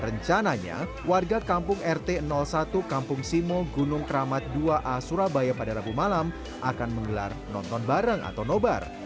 rencananya warga kampung rt satu kampung simo gunung keramat dua a surabaya pada rabu malam akan menggelar nonton bareng atau nobar